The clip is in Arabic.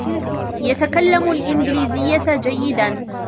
يتكلم الإنجليزية جيدا.